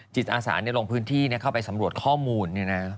จิตอาสาในโรงพื้นที่เข้าไปสำรวจข้อมูล